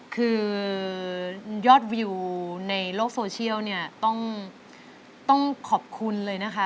คือยอดวิวในโลกโซเชียลเนี่ยต้องขอบคุณเลยนะคะ